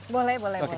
boleh boleh boleh